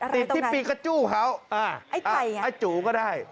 ติดที่ปีกระจู้เขาไอ้ไข่ไงไอ้จูก็ได้